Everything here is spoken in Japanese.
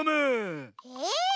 え？